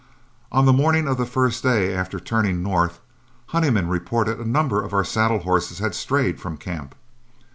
On the morning of the first day after turning north, Honeyman reported a number of our saddle horses had strayed from camp.